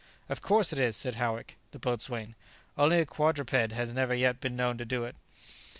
"Of course it is," said Howick, the boatswain; "only a quadruped has never yet been known to do it."